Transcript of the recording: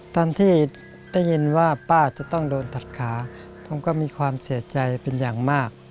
ตอนที่ได้ยินว่าป้าจะต้องโดนตัดขาผมก็มีความเสียใจเป็นอย่างมาก